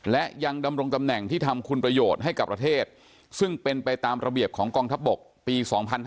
และยังดำรงตำแหน่งที่ทำคุณประโยชน์ให้กับประเทศซึ่งเป็นไปตามระเบียบของกองทัพบกปี๒๕๕๙